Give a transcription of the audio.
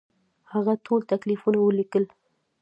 هغه ټول تکلیفونه ولیکل.